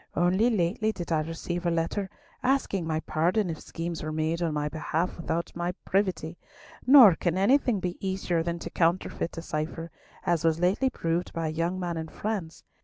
Only lately did I receive a letter asking my pardon if schemes were made on my behalf without my privity, nor can anything be easier than to counterfeit a cipher, as was lately proved by a young man in France.